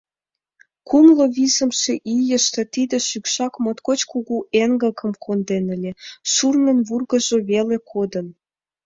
Кумло визымше ийыште тиде шӱкшак моткоч кугу эҥгекым конден ыле... шурнын вургыжо веле кодын!